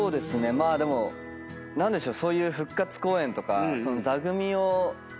まあでも何でしょう。